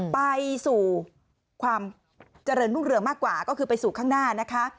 ไปสู่ความเจริญรุ่งเรืองมากกว่าก็คือไปสู่ข้างหน้านะคะ